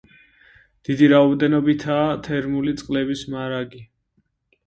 დიდი რაოდენობითაა თერმული წყლების მარაგი.